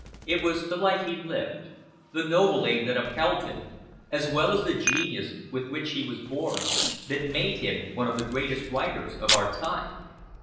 It was the life he lived, the noble aim that upheld him, as well as the genius with which he was born, that made him one of the greatest writers of our time.